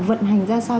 vận hành ra sao